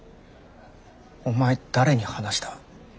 お前誰に話した。